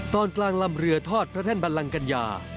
ตอนกลางลำเรือทอดพระแท่นบัลลังกัญญา